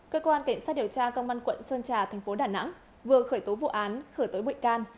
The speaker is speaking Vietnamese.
cơ quan cảnh sát điều tra công an quận sơn trà thành phố đà nẵng vừa khởi tố vụ án khởi tố bị can